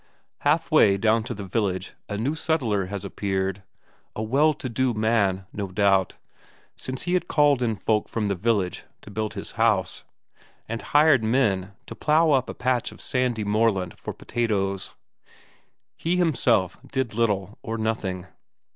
Half way down to the village a new settler has appeared. A well to do man, no doubt, since he had called in folk from the village to build his house, and hired men to plough up a patch of sandy moorland for potatoes; he himself did little or nothing.